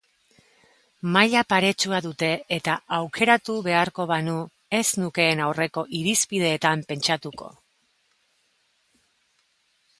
Maila paretsua dute eta aukeratu beharko banu ez nukeen aurreko irizpideetan pentsatuko.